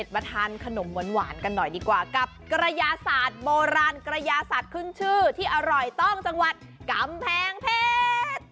มาทานขนมหวานกันหน่อยดีกว่ากับกระยาศาสตร์โบราณกระยาสัตว์ขึ้นชื่อที่อร่อยต้องจังหวัดกำแพงเพชร